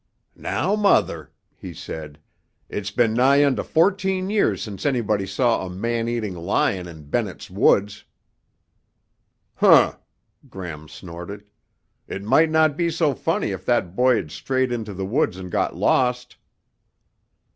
"Now, Mother," he said, "it's been nigh onto fourteen years since anybody saw a man eating lion in Bennett's Woods." "Hmph!" Gram snorted. "It might not be so funny if that boy had strayed into the woods and got lost."